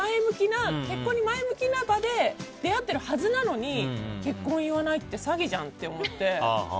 だから結婚に前向きな場で出会ってるはずなのに結婚を言わないって詐欺じゃんって思って。